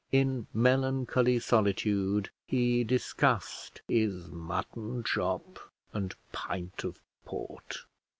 In melancholy solitude he discussed his mutton chop and pint of port.